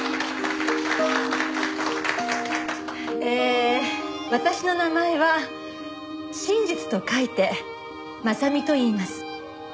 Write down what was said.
えー私の名前は「真実」と書いて「まさみ」といいます。